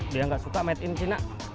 dia nggak suka made in china